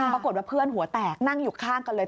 ปรากฏว่าเพื่อนหัวแตกนั่งอยู่ข้างกันเลย